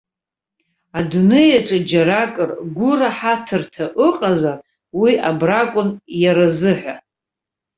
Адунеи аҿы џьаракыр гәыраҳаҭырҭа ыҟазар, уи абракәын иаразыҳәа.